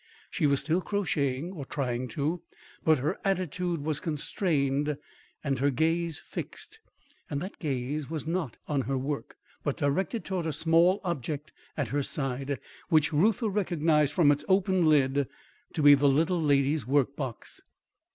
She was still crocheting, or trying to, but her attitude was constrained and her gaze fixed; and that gaze was not on her work, but directed towards a small object at her side, which Reuther recognised from its open lid to be the little lady's work box.